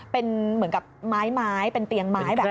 เป็นเหมือนกับไม้เป็นเตียงไม้แบบนี้